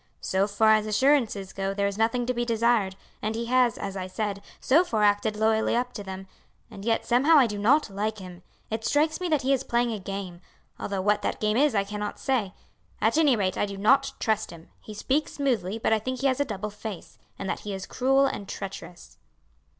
"So far as assurances go there is nothing to be desired, and he has, as I said, so far acted loyally up to them, and yet somehow I do not like him. It strikes me that he is playing a game, although what that game is I cannot say. At anyrate I do not trust him; he speaks smoothly but I think he has a double face, and that he is cruel and treacherous."